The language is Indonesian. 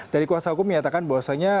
jadi kuasa hukum menyatakan bahwasanya